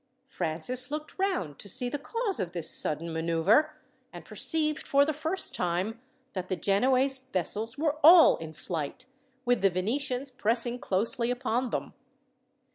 Francis looked round to see the cause of this sudden manoeuvre, and perceived for the first time that the Genoese vessels were all in flight, with the Venetians pressing closely upon them.